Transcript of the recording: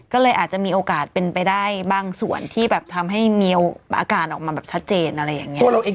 ก็เลยอาจจะมีโอกาสเป็นไปได้บางส่วนที่แบบทำให้มีอาการออกมาแบบชัดเจนอะไรอย่างนี้